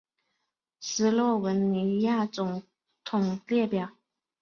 斯洛文尼亚总统列表